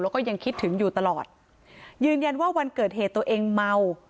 แล้วก็ยังคิดถึงอยู่ตลอดยืนยันว่าวันเกิดเหตุตัวเองเมา